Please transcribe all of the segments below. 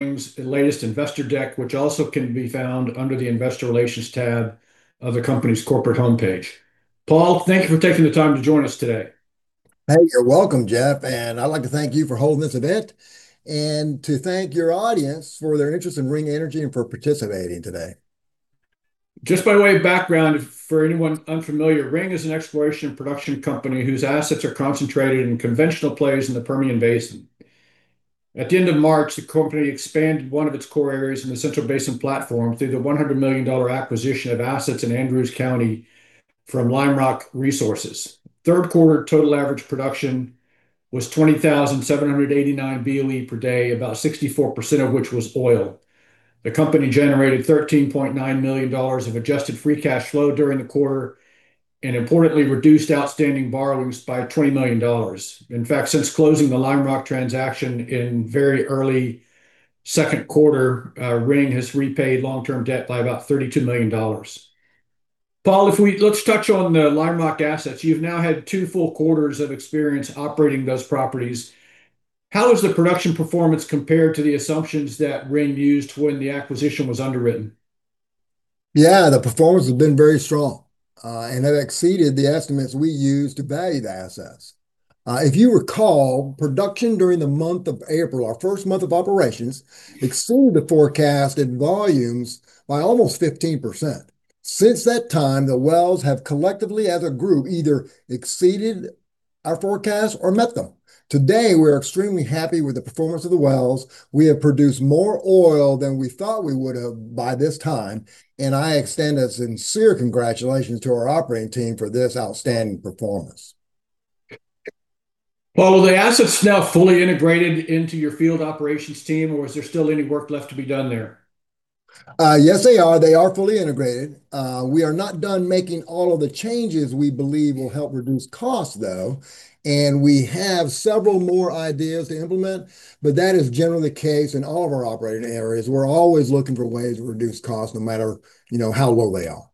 The latest investor deck, which also can be found under the Investor Relations tab of the company's corporate homepage. Paul, thank you for taking the time to join us today. Hey, you're welcome, Jeff. And I'd like to thank you for holding this event and to thank your audience for their interest in Ring Energy and for participating today. Just by way of background, for anyone unfamiliar, Ring is an exploration production company whose assets are concentrated in conventional plays in the Permian Basin. At the end of March, the company expanded one of its core areas in the Central Basin Platform through the $100 million acquisition of assets in Andrews County from Lime Rock Resources. Third quarter total average production was 20,789 BOE per day, about 64% of which was oil. The company generated $13.9 million of Adjusted Free Cash Flow during the quarter and importantly reduced outstanding borrowings by $20 million. In fact, since closing the Lime Rock transaction in very early second quarter, Ring has repaid long-term debt by about $32 million. Paul, if we let's touch on the Lime Rock assets, you've now had two full quarters of experience operating those properties. How is the production performance compared to the assumptions that Ring used when the acquisition was underwritten? Yeah, the performance has been very strong and have exceeded the estimates we used to value the assets. If you recall, production during the month of April, our first month of operations, exceeded the forecast in volumes by almost 15%. Since that time, the wells have collectively as a group either exceeded our forecast or met them. Today, we're extremely happy with the performance of the wells. We have produced more oil than we thought we would have by this time, and I extend a sincere congratulations to our operating team for this outstanding performance. Paul, are the assets now fully integrated into your field operations team, or is there still any work left to be done there? Yes, they are. They are fully integrated. We are not done making all of the changes we believe will help reduce costs, though. And we have several more ideas to implement, but that is generally the case in all of our operating areas. We're always looking for ways to reduce costs no matter how low they are.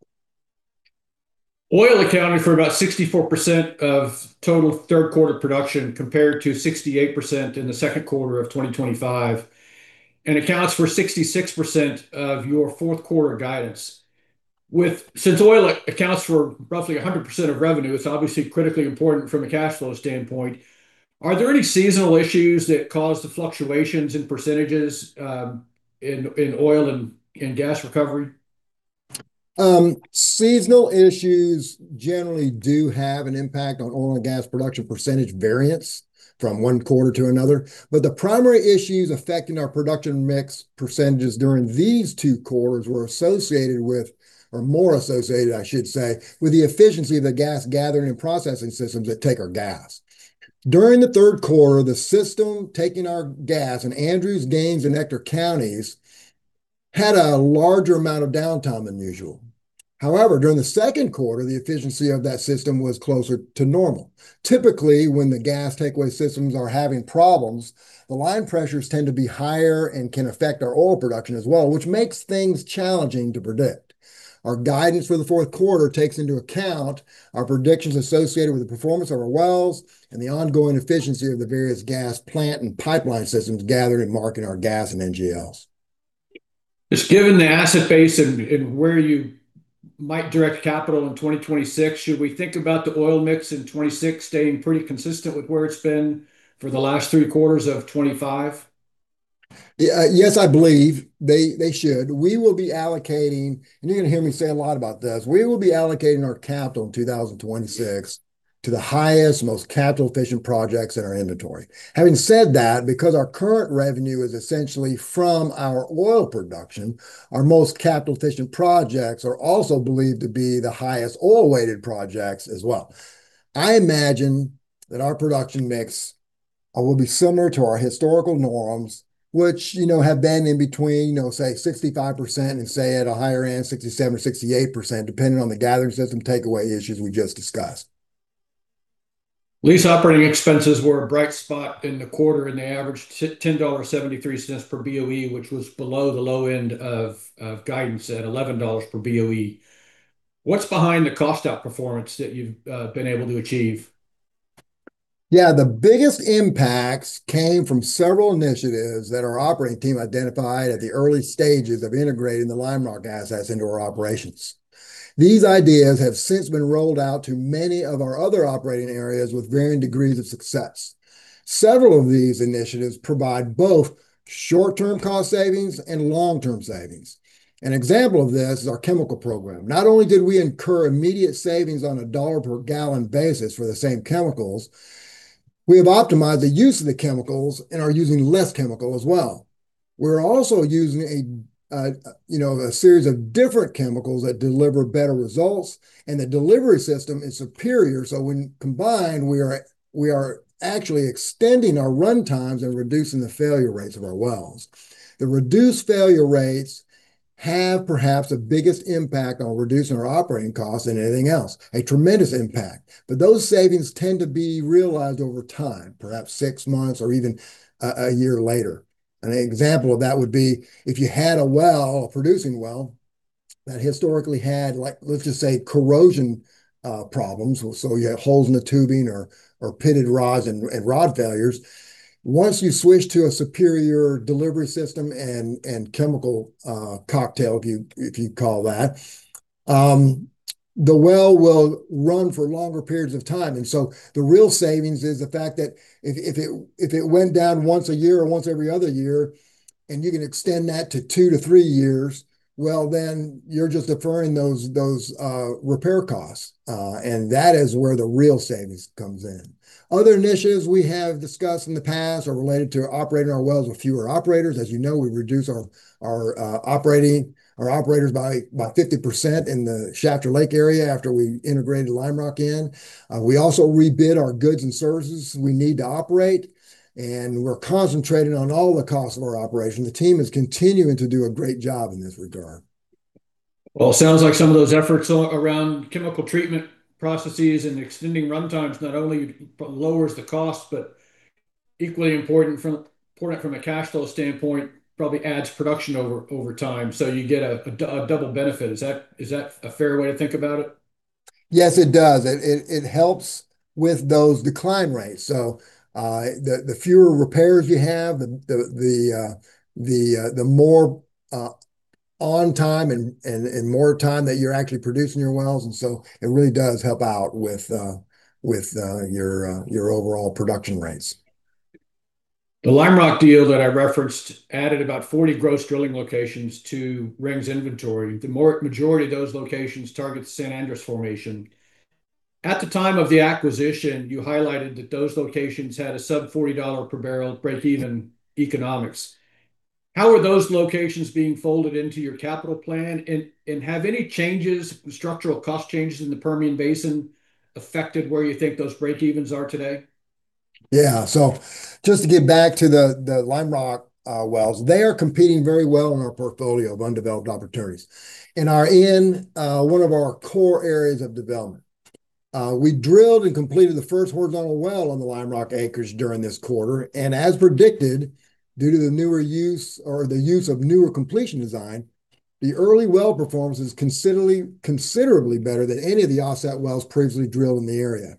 Oil accounting for about 64% of total third quarter production compared to 68% in the second quarter of 2025 and accounts for 66% of your fourth quarter guidance. Since oil accounts for roughly 100% of revenue, it's obviously critically important from a cash flow standpoint. Are there any seasonal issues that cause the fluctuations in percentages in oil and gas recovery? Seasonal issues generally do have an impact on oil and gas production percentage variance from one quarter to another. But the primary issues affecting our production mix percentages during these two quarters were associated with, or more associated, I should say, with the efficiency of the gas gathering and processing systems that take our gas. During the third quarter, the system taking our gas in Andrews County, Gaines County, and Ector County had a larger amount of downtime than usual. However, during the second quarter, the efficiency of that system was closer to normal. Typically, when the gas takeaway systems are having problems, the line pressures tend to be higher and can affect our oil production as well, which makes things challenging to predict. Our guidance for the fourth quarter takes into account our predictions associated with the performance of our wells and the ongoing efficiency of the various gas plant and pipeline systems gathering and marketing our gas and NGLs. Just given the asset base and where you might direct capital in 2026, should we think about the oil mix in 2026 staying pretty consistent with where it's been for the last three quarters of 2025? Yes, I believe they should. We will be allocating, and you're going to hear me say a lot about this, we will be allocating our capital in 2026 to the highest, most capital-efficient projects in our inventory. Having said that, because our current revenue is essentially from our oil production, our most capital-efficient projects are also believed to be the highest oil-weighted projects as well. I imagine that our production mix will be similar to our historical norms, which have been in between, say, 65% and say at a higher end, 67% or 68%, depending on the gathering system takeaway issues we just discussed. Lease operating expenses were a bright spot in the quarter at an average $10.73 per BOE, which was below the low end of guidance at $11 per BOE. What's behind the cost-out performance that you've been able to achieve? Yeah, the biggest impacts came from several initiatives that our operating team identified at the early stages of integrating the Lime Rock assets into our operations. These ideas have since been rolled out to many of our other operating areas with varying degrees of success. Several of these initiatives provide both short-term cost savings and long-term savings. An example of this is our chemical program. Not only did we incur immediate savings on a dollar per gallon basis for the same chemicals, we have optimized the use of the chemicals and are using less chemicals as well. We're also using a series of different chemicals that deliver better results, and the delivery system is superior. So when combined, we are actually extending our run times and reducing the failure rates of our wells. The reduced failure rates have perhaps the biggest impact on reducing our operating costs than anything else, a tremendous impact. But those savings tend to be realized over time, perhaps six months or even a year later. An example of that would be if you had a producing well that historically had, let's just say, corrosion problems. So you have holes in the tubing or pitted rods and rod failures. Once you switch to a superior delivery system and chemical cocktail, if you call that, the well will run for longer periods of time. And so the real savings is the fact that if it went down once a year or once every other year, and you can extend that to two to three years, well, then you're just deferring those repair costs. And that is where the real savings comes in. Other initiatives we have discussed in the past are related to operating our wells with fewer operators. As you know, we reduce our operators by 50% in the Shafter Lake area after we integrated Lime Rock in. We also rebid our goods and services we need to operate, and we're concentrating on all the costs of our operation. The team is continuing to do a great job in this regard. It sounds like some of those efforts around chemical treatment processes and extending run times not only lowers the cost, but equally important from a cash flow standpoint, probably adds production over time. So you get a double benefit. Is that a fair way to think about it? Yes, it does. It helps with those decline rates. So the fewer repairs you have, the more on time and more time that you're actually producing your wells. And so it really does help out with your overall production rates. The Lime Rock deal that I referenced added about 40 gross drilling locations to Ring's inventory. The majority of those locations targeted San Andres Formation. At the time of the acquisition, you highlighted that those locations had a sub-$40 per barrel break-even economics. How are those locations being folded into your capital plan, and have any changes, structural cost changes in the Permian Basin affected where you think those break-evens are today? Yeah, so just to get back to the Lime Rock wells, they are competing very well in our portfolio of undeveloped opportunities and are in one of our core areas of development. We drilled and completed the first horizontal well on the Lime Rock acres during this quarter, and as predicted, due to the newer use or the use of newer completion design, the early well performance is considerably better than any of the offset wells previously drilled in the area.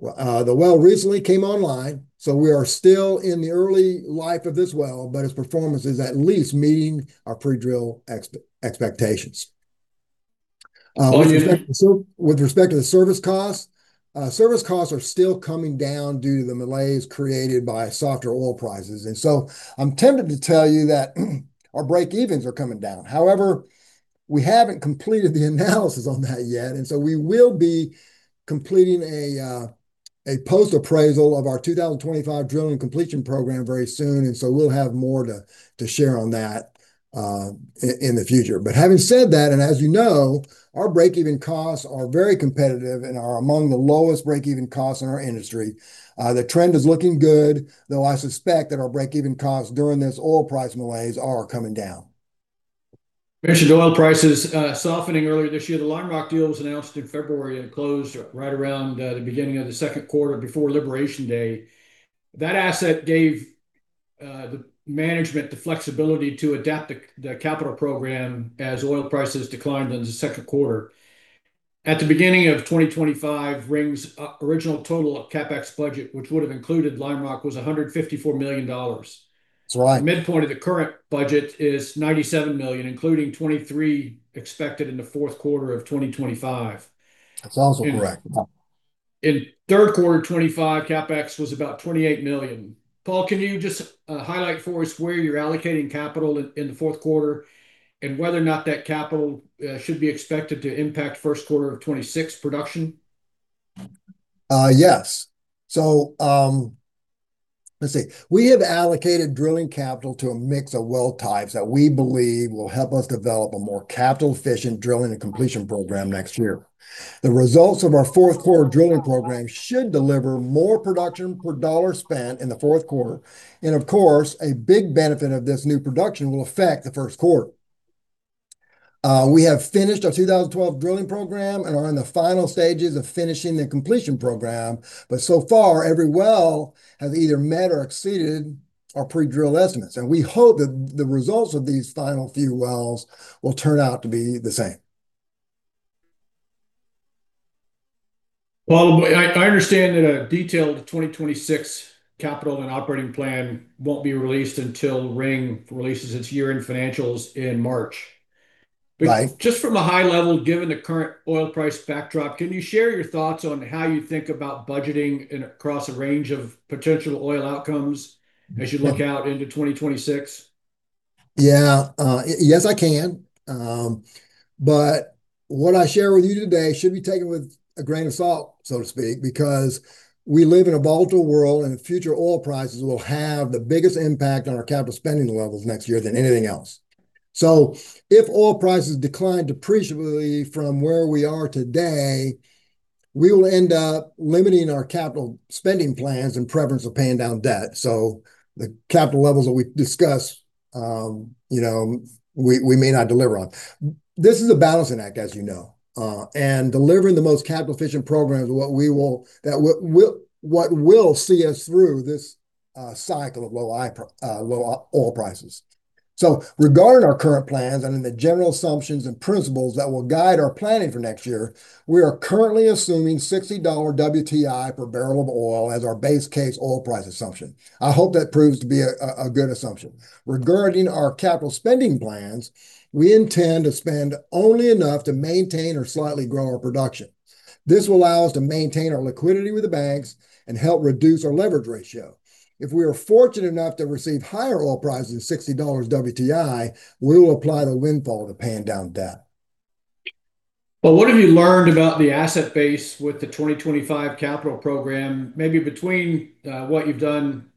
The well recently came online, so we are still in the early life of this well, but its performance is at least meeting our pre-drill expectations. With respect to the service costs, service costs are still coming down due to the malaise created by softer oil prices, and so I'm tempted to tell you that our break-evens are coming down. However, we haven't completed the analysis on that yet. And so we will be completing a post-appraisal of our 2025 drilling completion program very soon. And so we'll have more to share on that in the future. But having said that, and as you know, our break-even costs are very competitive and are among the lowest break-even costs in our industry. The trend is looking good, though I suspect that our break-even costs during this oil price malaise are coming down. Mentioned oil prices softening earlier this year. The Lime Rock deal was announced in February and closed right around the beginning of the second quarter before Liberation Day. That asset gave the management the flexibility to adapt the capital program as oil prices declined in the second quarter. At the beginning of 2025, Ring's original total CapEx budget, which would have included Lime Rock, was $154 million. That's right. The midpoint of the current budget is $97 million, including $23 million expected in the fourth quarter of 2025. That's also correct. In third quarter 2025, CapEx was about $28 million. Paul, can you just highlight for us where you're allocating capital in the fourth quarter and whether or not that capital should be expected to impact first quarter of 2026 production? Yes. So let's see. We have allocated drilling capital to a mix of well types that we believe will help us develop a more capital-efficient drilling and completion program next year. The results of our fourth quarter drilling program should deliver more production per dollar spent in the fourth quarter. And of course, a big benefit of this new production will affect the first quarter. We have finished our 20-well drilling program and are in the final stages of finishing the completion program. But so far, every well has either met or exceeded our pre-drill estimates. And we hope that the results of these final few wells will turn out to be the same. Paul, I understand that a detailed 2026 capital and operating plan won't be released until Ring releases its year-end financials in March. Just from a high level, given the current oil price backdrop, can you share your thoughts on how you think about budgeting across a range of potential oil outcomes as you look out into 2026? Yeah. Yes, I can. But what I share with you today should be taken with a grain of salt, so to speak, because we live in a volatile world and future oil prices will have the biggest impact on our capital spending levels next year than anything else. So if oil prices decline appreciably from where we are today, we will end up limiting our capital spending plans in preference of paying down debt. So the capital levels that we discuss, we may not deliver on. This is a balancing act, as you know. And delivering the most capital-efficient programs is what will see us through this cycle of low oil prices. So regarding our current plans and the general assumptions and principles that will guide our planning for next year, we are currently assuming $60 WTI per barrel of oil as our base case oil price assumption. I hope that proves to be a good assumption. Regarding our capital spending plans, we intend to spend only enough to maintain or slightly grow our production. This will allow us to maintain our liquidity with the banks and help reduce our leverage ratio. If we are fortunate enough to receive higher oil prices than $60 WTI, we will apply the windfall to paying down debt. What have you learned about the asset base with the 2025 capital program, maybe between what you've done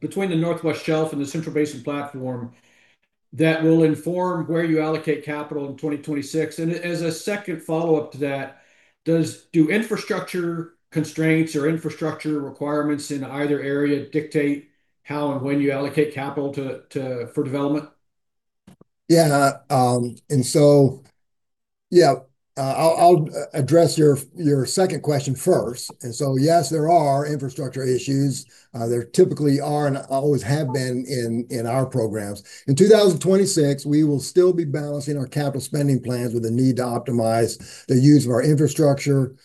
between the Northwest Shelf and the Central Basin Platform that will inform where you allocate capital in 2026? And as a second follow-up to that, do infrastructure constraints or infrastructure requirements in either area dictate how and when you allocate capital for development? Yeah, and so, yeah, I'll address your second question first, and so, yes, there are infrastructure issues. There typically are and always have been in our programs. In 2026, we will still be balancing our capital spending plans with the need to optimize the use of our infrastructure,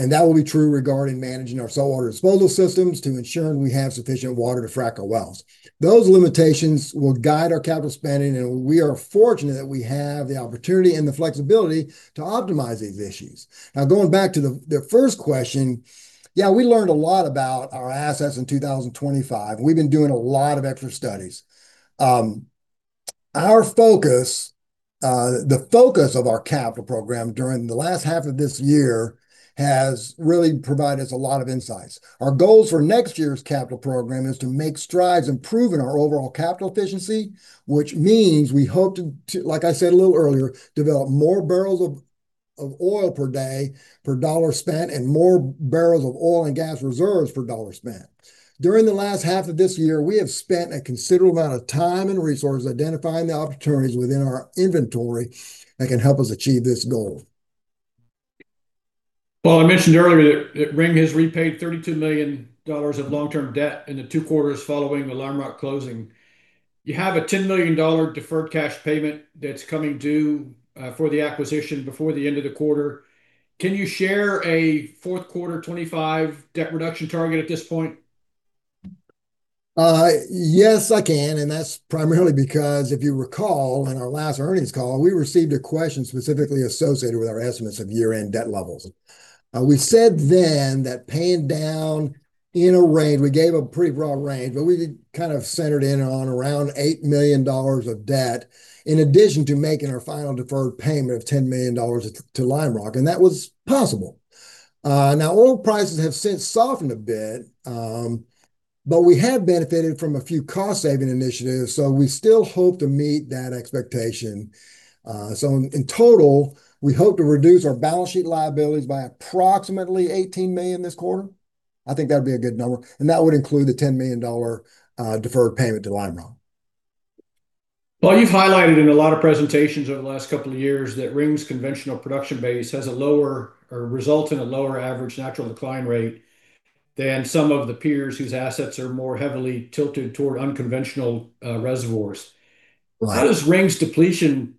and that will be true regarding managing our saltwater disposal systems to ensure we have sufficient water to frac our wells. Those limitations will guide our capital spending, and we are fortunate that we have the opportunity and the flexibility to optimize these issues. Now, going back to the first question, yeah, we learned a lot about our assets in 2025. We've been doing a lot of extra studies. The focus of our capital program during the last half of this year has really provided us a lot of insights. Our goals for next year's capital program is to make strides in improving our overall capital efficiency, which means we hope to, like I said a little earlier, develop more barrels of oil per day per dollar spent and more barrels of oil and gas reserves per dollar spent. During the last half of this year, we have spent a considerable amount of time and resources identifying the opportunities within our inventory that can help us achieve this goal. I mentioned earlier that Ring has repaid $32 million of long-term debt in the two quarters following the Lime Rock closing. You have a $10 million deferred cash payment that's coming due for the acquisition before the end of the quarter. Can you share a fourth quarter 2025 debt reduction target at this point? Yes, I can, and that's primarily because, if you recall, in our last earnings call, we received a question specifically associated with our estimates of year-end debt levels. We said then that paying down in a range, we gave a pretty broad range, but we kind of centered in on around $8 million of debt in addition to making our final deferred payment of $10 million to Lime Rock, and that was possible. Now, oil prices have since softened a bit, but we have benefited from a few cost-saving initiatives, so we still hope to meet that expectation. In total, we hope to reduce our balance sheet liabilities by approximately $18 million this quarter. I think that would be a good number, and that would include the $10 million deferred payment to Lime Rock. You've highlighted in a lot of presentations over the last couple of years that Ring's conventional production base has a lower result in a lower average natural decline rate than some of the peers whose assets are more heavily tilted toward unconventional reservoirs. How does Ring's depletion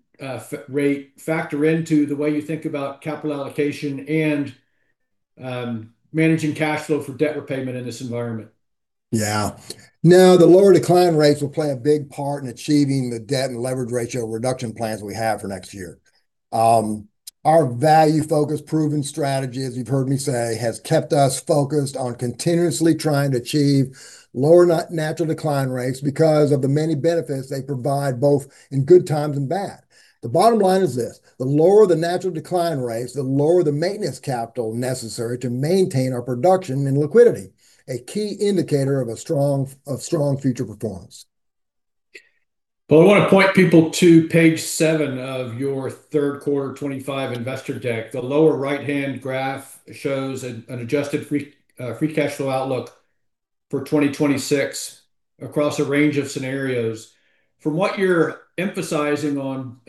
rate factor into the way you think about capital allocation and managing cash flow for debt repayment in this environment? Yeah. No, the lower decline rates will play a big part in achieving the debt and leverage ratio reduction plans we have for next year. Our value-focused proven strategy, as you've heard me say, has kept us focused on continuously trying to achieve lower natural decline rates because of the many benefits they provide both in good times and bad. The bottom line is this: the lower the natural decline rates, the lower the maintenance capital necessary to maintain our production and liquidity, a key indicator of strong future performance. I want to point people to page seven of your third quarter 2025 investor deck. The lower right-hand graph shows an Adjusted Free Cash Flow outlook for 2026 across a range of scenarios. From what you're emphasizing on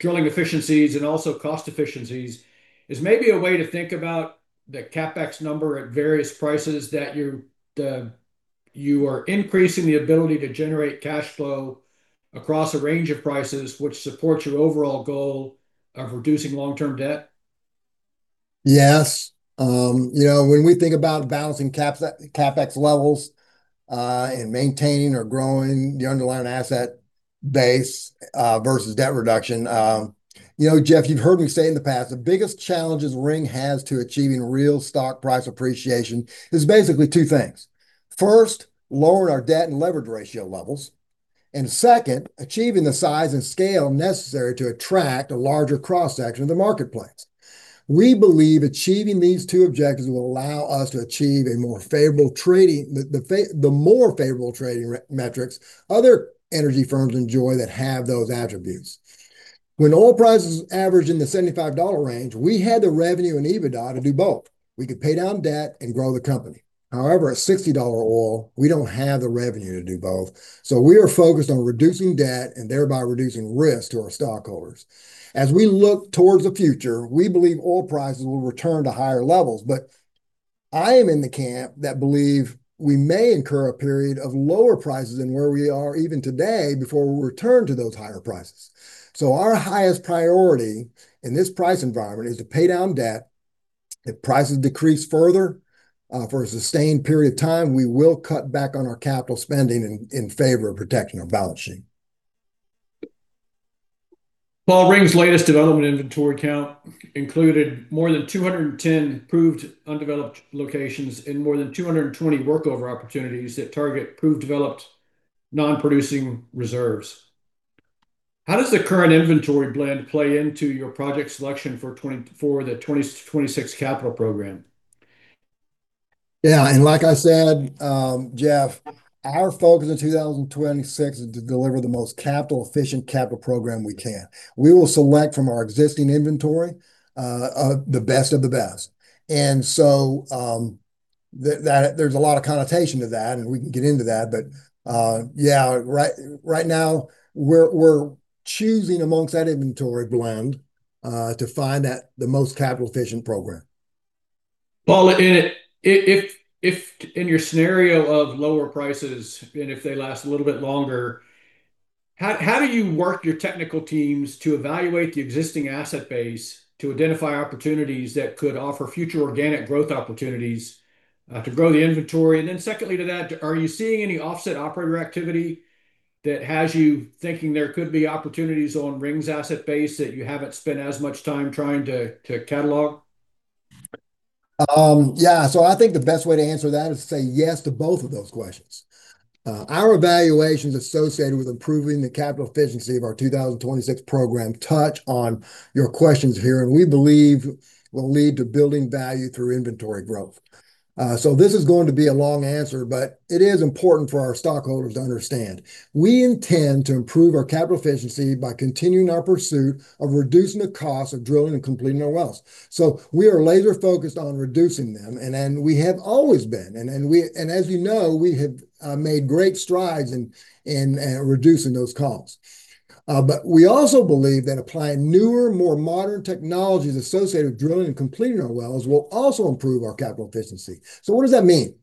drilling efficiencies and also cost efficiencies, is maybe a way to think about the CapEx number at various prices that you are increasing the ability to generate cash flow across a range of prices, which supports your overall goal of reducing long-term debt? Yes. You know, when we think about balancing CapEx levels and maintaining or growing the underlying asset base versus debt reduction, you know, Jeff, you've heard me say in the past, the biggest challenges Ring has to achieving real stock price appreciation is basically two things. First, lowering our debt and leverage ratio levels. And second, achieving the size and scale necessary to attract a larger cross-section of the marketplace. We believe achieving these two objectives will allow us to achieve a more favorable trading, the more favorable trading metrics other energy firms enjoy that have those attributes. When oil prices averaged in the $75 range, we had the revenue and EBITDA to do both. We could pay down debt and grow the company. However, at $60 oil, we don't have the revenue to do both. So we are focused on reducing debt and thereby reducing risk to our stockholders. As we look towards the future, we believe oil prices will return to higher levels. But I am in the camp that believe we may incur a period of lower prices than where we are even today before we return to those higher prices. So our highest priority in this price environment is to pay down debt. If prices decrease further for a sustained period of time, we will cut back on our capital spending in favor of protecting our balance sheet. Paul, Ring's latest development inventory count included more than 210 proved undeveloped locations and more than 220 workover opportunities that target proved developed non-producing reserves. How does the current inventory blend play into your project selection for the 2026 capital program? Yeah, and like I said, Jeff, our focus in 2026 is to deliver the most capital-efficient capital program we can. We will select from our existing inventory the best of the best, and so there's a lot of connotation to that, and we can get into that, but yeah, right now, we're choosing amongst that inventory blend to find the most capital-efficient program. Paul, if in your scenario of lower prices and if they last a little bit longer, how do you work your technical teams to evaluate the existing asset base to identify opportunities that could offer future organic growth opportunities to grow the inventory? And then secondly to that, are you seeing any offset operator activity that has you thinking there could be opportunities on Ring's asset base that you haven't spent as much time trying to catalog? Yeah. So I think the best way to answer that is to say yes to both of those questions. Our evaluations associated with improving the capital efficiency of our 2026 program touch on your questions here, and we believe will lead to building value through inventory growth. So this is going to be a long answer, but it is important for our stockholders to understand. We intend to improve our capital efficiency by continuing our pursuit of reducing the cost of drilling and completing our wells. So we are laser-focused on reducing them, and we have always been. And as you know, we have made great strides in reducing those costs. But we also believe that applying newer, more modern technologies associated with drilling and completing our wells will also improve our capital efficiency. So what does that mean?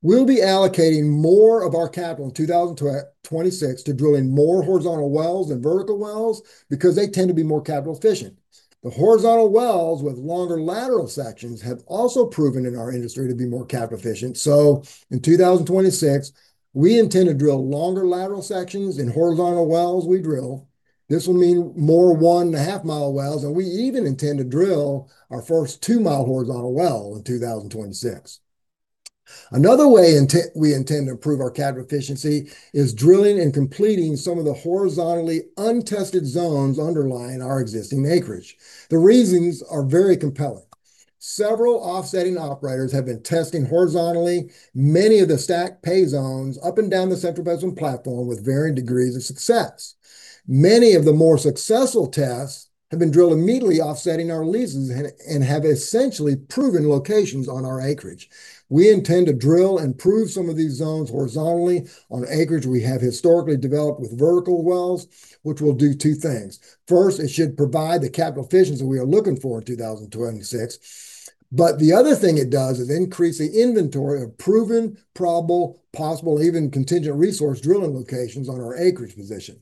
We'll be allocating more of our capital in 2026 to drilling more horizontal wells than vertical wells because they tend to be more capital-efficient. The horizontal wells with longer lateral sections have also proven in our industry to be more capital-efficient. So in 2026, we intend to drill longer lateral sections in horizontal wells we drill. This will mean more one-and-a-half-mile wells, and we even intend to drill our first two-mile horizontal well in 2026. Another way we intend to improve our capital efficiency is drilling and completing some of the horizontally untested zones underlying our existing acreage. The reasons are very compelling. Several offsetting operators have been testing horizontally many of the stacked pay zones up and down the Central Basin Platform with varying degrees of success. Many of the more successful tests have been drilled immediately offsetting our leases and have essentially proven locations on our acreage. We intend to drill and prove some of these zones horizontally on acreage we have historically developed with vertical wells, which will do two things. First, it should provide the capital efficiency we are looking for in 2026. But the other thing it does is increase the inventory of proven, probable, possible, even contingent resource drilling locations on our acreage position.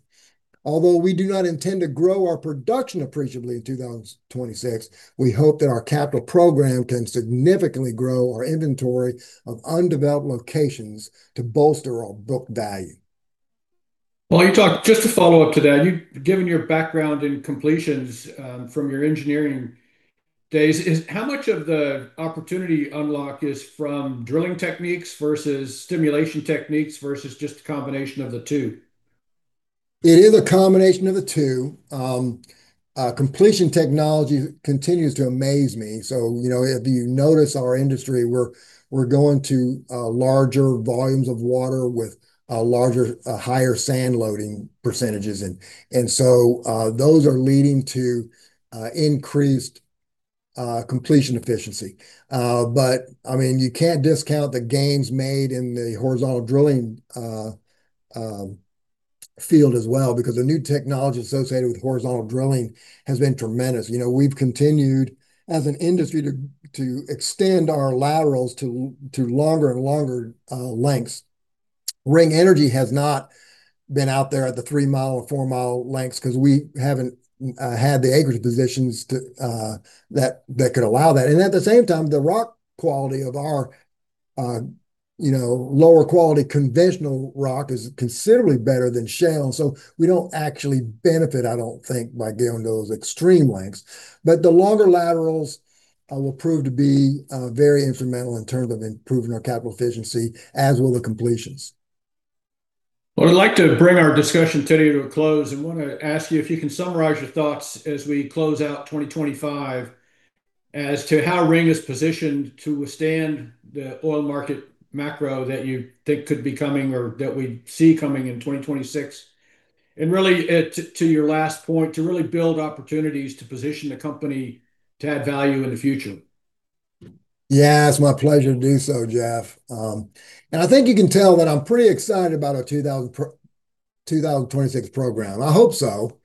Although we do not intend to grow our production appreciably in 2026, we hope that our capital program can significantly grow our inventory of undeveloped locations to bolster our book value. Just to follow up to that, given your background in completions from your engineering days, how much of the opportunity unlock is from drilling techniques versus stimulation techniques versus just a combination of the two? It is a combination of the two. Completion technology continues to amaze me. So if you notice our industry, we're going to larger volumes of water with larger, higher sand loading percentages. And so those are leading to increased completion efficiency. But I mean, you can't discount the gains made in the horizontal drilling field as well because the new technology associated with horizontal drilling has been tremendous. We've continued as an industry to extend our laterals to longer and longer lengths. Ring Energy has not been out there at the three-mile or four-mile lengths because we haven't had the acreage positions that could allow that. And at the same time, the rock quality of our lower quality conventional rock is considerably better than shale. And so we don't actually benefit, I don't think, by going to those extreme lengths. But the longer laterals will prove to be very instrumental in terms of improving our capital efficiency, as will the completions. I'd like to bring our discussion today to a close. I want to ask you if you can summarize your thoughts as we close out 2025 as to how Ring is positioned to withstand the oil market macro that you think could be coming or that we see coming in 2026. Really, to your last point, to really build opportunities to position the company to add value in the future. Yeah, it's my pleasure to do so, Jeff. And I think you can tell that I'm pretty excited about our 2026 program. I hope so.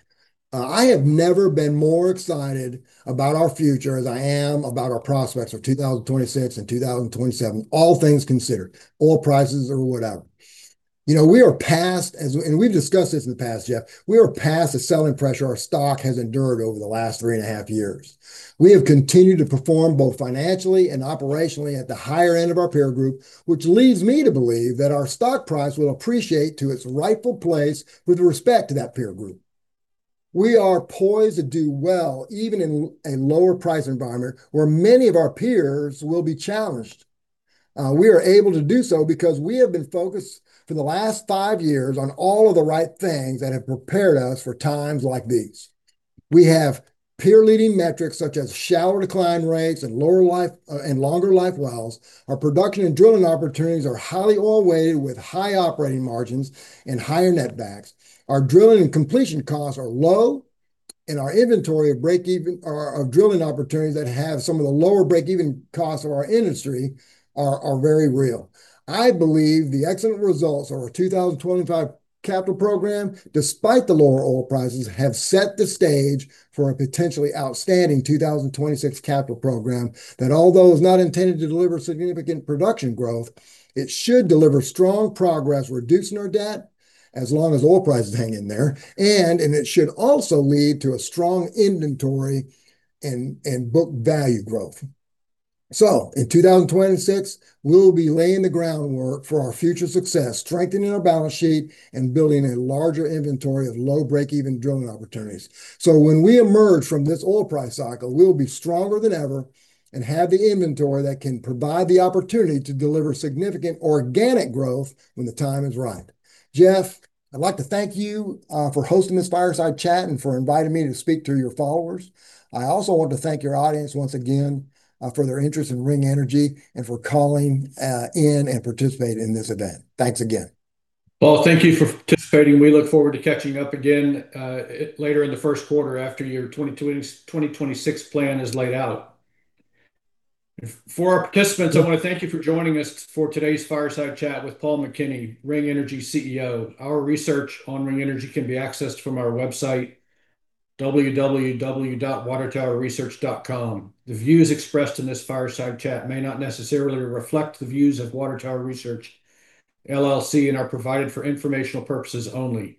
I have never been more excited about our future as I am about our prospects for 2026 and 2027, all things considered, oil prices or whatever. We are past, and we've discussed this in the past, Jeff, we are past the selling pressure our stock has endured over the last three and a half years. We have continued to perform both financially and operationally at the higher end of our peer group, which leads me to believe that our stock price will appreciate to its rightful place with respect to that peer group. We are poised to do well even in a lower price environment where many of our peers will be challenged. We are able to do so because we have been focused for the last five years on all of the right things that have prepared us for times like these. We have peer-leading metrics such as shallower decline rates and longer life wells. Our production and drilling opportunities are highly oil-weighted with high operating margins and higher netbacks. Our drilling and completion costs are low, and our inventory of drilling opportunities that have some of the lower break-even costs of our industry are very real. I believe the excellent results of our 2025 capital program, despite the lower oil prices, have set the stage for a potentially outstanding 2026 capital program that, although it's not intended to deliver significant production growth, it should deliver strong progress reducing our debt as long as oil prices hang in there. It should also lead to a strong inventory and book value growth. In 2026, we'll be laying the groundwork for our future success, strengthening our balance sheet and building a larger inventory of low break-even drilling opportunities. When we emerge from this oil price cycle, we'll be stronger than ever and have the inventory that can provide the opportunity to deliver significant organic growth when the time is right. Jeff, I'd like to thank you for hosting this Fireside Chat and for inviting me to speak to your followers. I also want to thank your audience once again for their interest in Ring Energy and for calling in and participating in this event. Thanks again. Paul, thank you for participating. We look forward to catching up again later in the first quarter after your 2026 plan is laid out. For our participants, I want to thank you for joining us for today's Fireside Chat with Paul McKinney, Ring Energy CEO. Our research on Ring Energy can be accessed from our website, www.watertowerresearch.com. The views expressed in this Fireside Chat may not necessarily reflect the views of Water Tower Research LLC and are provided for informational purposes only.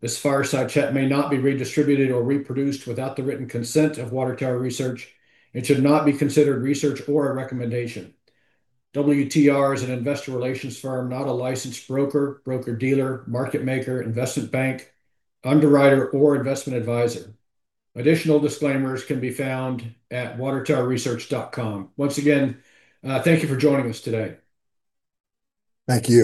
This Fireside Chat may not be redistributed or reproduced without the written consent of Water Tower Research. It should not be considered research or a recommendation. WTR is an investor relations firm, not a licensed broker, broker-dealer, market maker, investment bank, underwriter, or investment advisor. Additional disclaimers can be found at watertowerresearch.com. Once again, thank you for joining us today. Thank you.